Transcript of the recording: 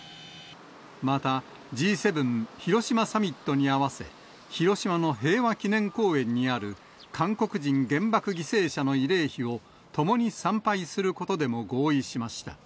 また、Ｇ７広島サミットに合わせ、広島の平和記念公園にある韓国人原爆犠牲者の慰霊碑を、ともに参拝することでも合意しました。